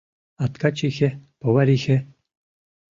А ткачихе, поварихе